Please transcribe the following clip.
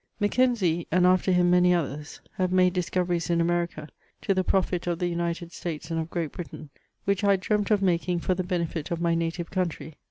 Mackenzie, and after him many others, have made discoveries in America, to the profit of the United States and of Great Britain, — which 1 had dreamt of making for the henefit of my native country.